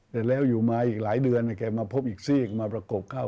แต่แล้วอยู่มาอีกหลายเดือนแกมาพบอีกซีกมาประกบเข้า